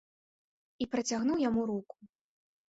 І працягнуў яму руку.